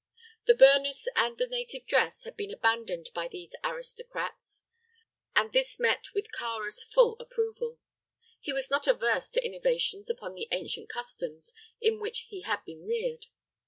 The burnous and native dress had been abandoned by these aristocrats, and this met with Kāra's full approval. He was not averse to innovations upon the ancient customs in which he had been reared.